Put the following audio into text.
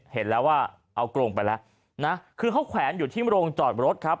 เห็นแล้วว่ากลงไปนะคือเขาแขวนอยู่ที่โมโลงจอดรถครับ